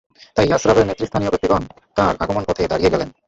তাই ইয়াসরাবের নেতৃস্থানীয় ব্যক্তিগণ তাঁর আগমন পথে দাঁড়িয়ে গেলেন।